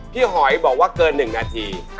หอยบอกว่าเกิน๑นาที